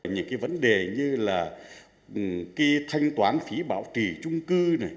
những vấn đề như là cái thanh toán phí bảo trì chung cư